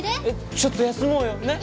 ちょっと休もうよねっ？